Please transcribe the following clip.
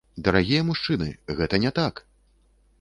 Дарагія мужчыны, гэта не так!